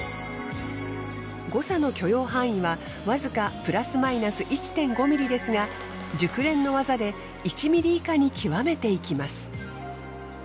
誤差の許容範囲はわずかプラスマイナス１．５ｍｍですが熟練の技で１ｍｍ以下に極めていきます。